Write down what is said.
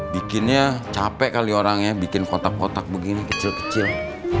bikinnya capek kali orangnya bikin kotak kotak begini kecil kecil